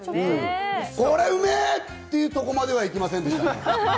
これうめぇ！っていうところまではいきませんでしたね。